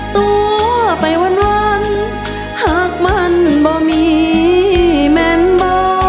ตัวไปวันหากมันบ่มีแม่นบ่